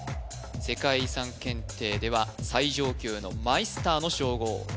世界遺産検定では最上級のマイスターの称号